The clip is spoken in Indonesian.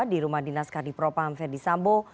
di rumah dinas kadi propah amferdi sambo